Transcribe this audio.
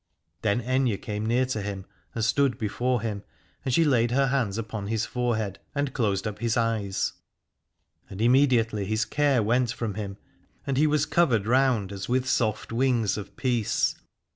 Then Aithne came near to him and stood before him, and she laid her hands upon his forehead and closed up his eyes. And 358 Alad ore immediately his care went from him, and he was covered round as with soft wings of peace.